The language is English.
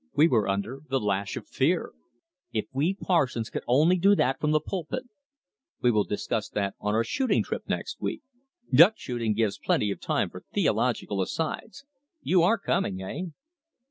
We were under the lash of fear. If we parsons could only do that from the pulpit!" "We will discuss that on our shooting trip next week. Duck shooting gives plenty of time for theological asides. You are coming, eh?"